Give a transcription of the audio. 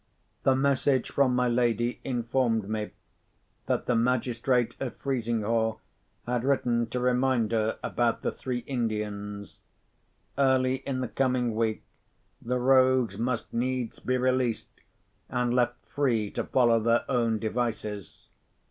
The message from my lady informed me, that the magistrate at Frizinghall had written to remind her about the three Indians. Early in the coming week, the rogues must needs be released, and left free to follow their own devices.